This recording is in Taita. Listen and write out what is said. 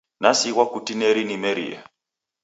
Nasighwa kutineri nimerie